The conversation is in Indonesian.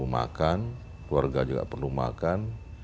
makan keluarga juga perlu makan